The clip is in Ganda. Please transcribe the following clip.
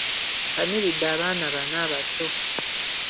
Mpaniridde abaana bana abato.